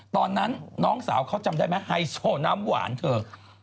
ตอนนั้นน้องสาวเขาจำได้ไหมไฮโซน้ำหวานเถอะ